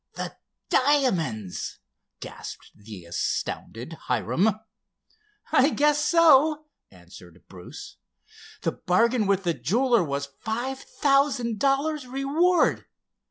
"The diamonds!" gasped the astounded Hiram. "I guess so!" answered Bruce. "The bargain with the jeweler was five thousand dollars' reward.